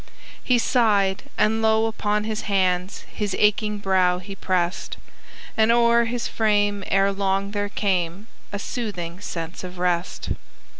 He sighed, and low upon his hands His aching brow he pressed; And o'er his frame ere long there came A soothing sense of rest.